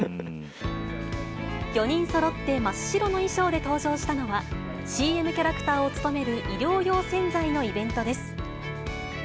４人そろって真っ白の衣装で登場したのは、ＣＭキャラクターを務める、衣料用洗剤のイベントです。